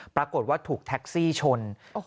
ปรากฏว่าถูกแท็กซี่ชน